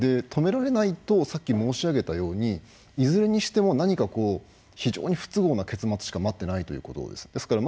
止められないとさっき申し上げたようにいずれにしても何か非常に不都合な結末しか待っていないということです。